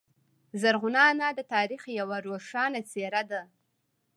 زرغونه انا د تاریخ یوه روښانه څیره ده.